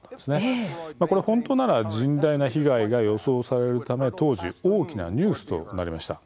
これ本当なら甚大な被害が予想されるため、当時大きなニュースとなりました。